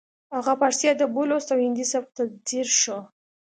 هغه پارسي ادب ولوست او هندي سبک ته ځیر شو